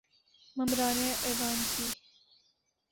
ممبران ایوان کی